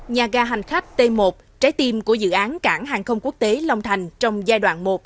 nhà ga hành khách t một trái tim của dự án cảng hàng không quốc tế long thành trong giai đoạn một